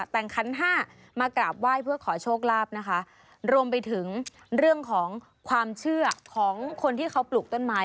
แต่งคันห้ามากราบไหว้เพื่อขอโชคลาภนะคะรวมไปถึงเรื่องของความเชื่อของคนที่เขาปลูกต้นไม้